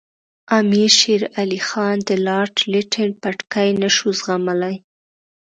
امیر شېر علي خان د لارډ لیټن پټکې نه شو زغملای.